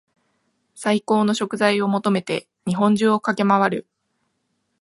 最高の食材を求めて日本中を駆け回る